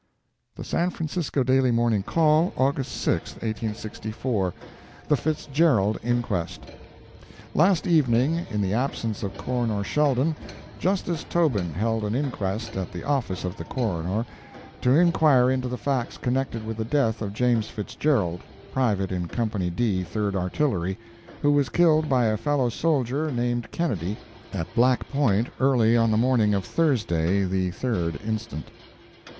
The San Francisco Daily Morning Call, August 6, 1864 THE FITZGERALD INQUEST Last evening, in the absence of Coroner Sheldon, Justice Tobin held an inquest at the office of the Coroner, to inquire into the facts connected with the death of James Fitzgerald, private in Company D, Third Artillery, who was killed by a fellow soldier named Kennedy, at Black Point, early on the morning of Thursday, the 3d instant.